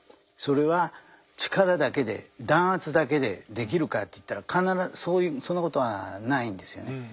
それは力だけで弾圧だけでできるかっていったらそんなことはないんですよね。